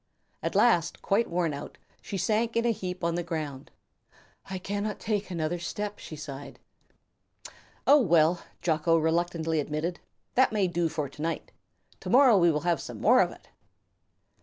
At last, quite worn out, she sank in a heap on the ground. "I cannot take another step," she sighed. "Oh, well," Jocko reluctantly admitted, "that may do for to night. To morrrow we will have some more of it."